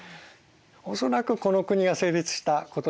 恐らくこの国が成立したことによってね